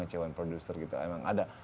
ngecewain produser gitu emang ada